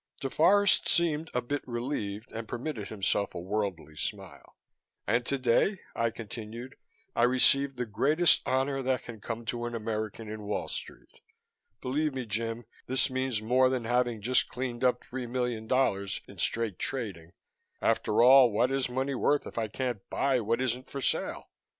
DeForest seemed a bit relieved and permitted himself a worldly smile. "And today," I continued, "I received the greatest honor that can come to an American in Wall Street. Believe me, Jim, this means more than having just cleaned up three million dollars in straight trading. After all, what is money worth if it can't buy what isn't for sale?"